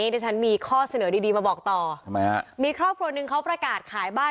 เดี๋ยวฉันมีข้อเสนอดีดีมาบอกต่อทำไมฮะมีครอบครัวหนึ่งเขาประกาศขายบ้าน